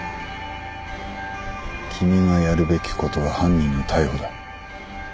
君がやるべきことは犯人の逮捕だ。